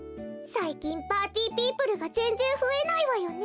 さいきんパーティーピープルがぜんぜんふえないわよね。